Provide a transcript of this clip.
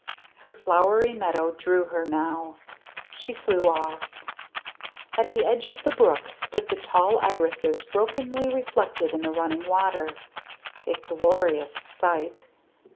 Her flowery meadow drew her now. She flew off. At the edge of the brook stood the tall irises brokenly reflected in the running water. A glorious sight.